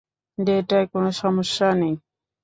ডেটায় কোনো সমস্যা নেই।